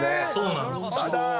そうなんです。